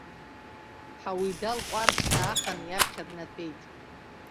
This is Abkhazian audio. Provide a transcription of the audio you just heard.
Ҳауида лҟәардә даахан иаԥхьа днатәеит.